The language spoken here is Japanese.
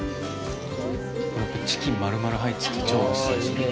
チキン丸々入ってて超おいしそうですね。